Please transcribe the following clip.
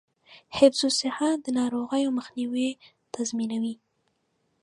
حفظ الصحه د ناروغیو مخنیوی تضمینوي.